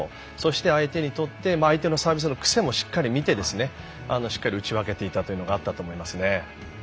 相手にとって相手のサービスのくせも見てしっかり打ち分けていたというのがあったと思います。